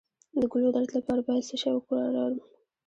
د ګلو درد لپاره باید څه شی وکاروم؟